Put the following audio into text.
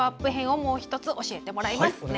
もう１つ教えてもらいます。